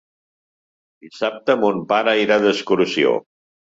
Dissabte mon pare irà d'excursió.